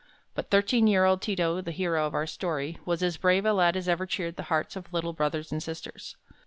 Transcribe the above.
But thirteen year old Ti to, the hero of our story, was as brave a lad as ever cheered the hearts of little brothers and sisters.